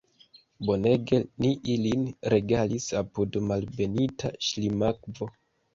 Bonege ni ilin regalis apud Malbenita Ŝlimakvo!